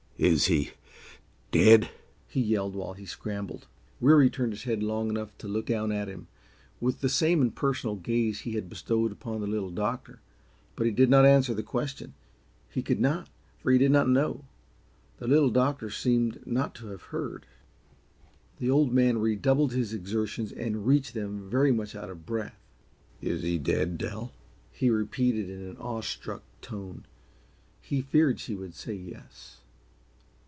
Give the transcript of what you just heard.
"Is he DEAD?" he yelled while he scrambled. Weary turned his head long enough to look down at him, with the same impersonal gaze he had bestowed upon the Little Doctor, but he did not answer the question. He could not, for he did not know. The Little Doctor seemed not to have heard. The Old Man redoubled his exertions and reached them very much out of breath. "Is he dead, Dell?" he repeated in an awestruck tone. He feared she would say yes.